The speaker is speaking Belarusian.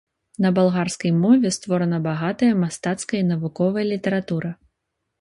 На балгарскай мове створана багатая мастацкая і навуковая літаратура.